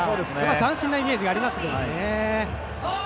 斬新なイメージがありますね。